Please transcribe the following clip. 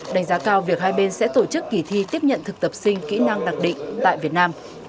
đánh giá cao việc hai bên sẽ tổ chức kỳ thi tiếp nhận thực tập sinh kỹ năng đặc định tại việt nam